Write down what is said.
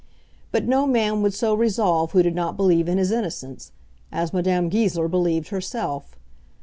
But no man would so resolve who did not believe in his innocence, as Madame Goesler believed herself.